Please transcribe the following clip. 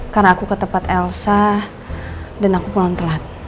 karena aku ke tempat elsa dan aku pulang telat